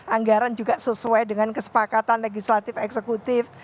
anggaran juga sesuai dengan kesepakatan legislatif eksekutif